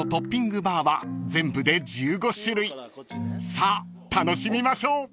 ［さあ楽しみましょう］